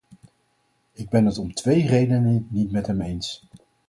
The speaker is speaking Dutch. Ik ben het om twee redenen niet met hem eens.